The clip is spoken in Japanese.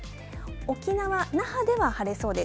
沖縄・那覇では晴れそうです。